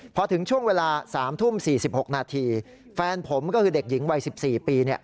พอถึงช่วงเวลา๓ทุ่ม๔๖นาทีแฟนผมก็คือเด็กหญิงวัย๑๔ปี